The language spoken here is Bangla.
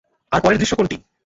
আর পরের দৃশ্য কোনটি?